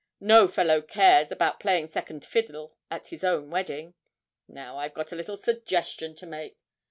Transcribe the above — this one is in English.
No fellow cares about playing second fiddle at his own wedding. Now, I've got a little suggestion to make.